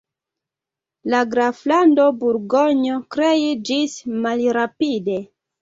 La graflando Burgonjo kreiĝis malrapide.